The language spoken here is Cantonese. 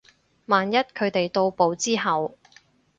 萬一佢哋到埗之後